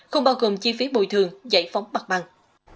không bao gồm chi phí bồi thường giải phóng mặt bằng